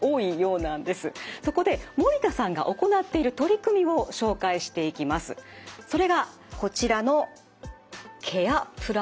そこで守田さんが行っている取り組みを紹介していきます。